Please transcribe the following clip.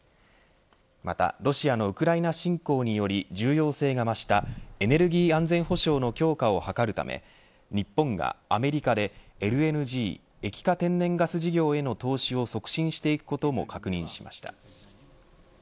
またロシアのウクライナ侵攻により重要性が増したエネルギー安全保障の強化を図るため日本がアメリカでＬＮＧ液化天然ガス事業への投資を促進していくことも確認しました。